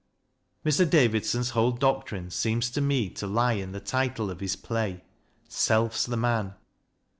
Mr. Davidson's whole doctrine seems to me to lie in the title of his play " Self's the Man."